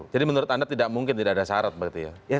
menurut anda tidak mungkin tidak ada syarat begitu ya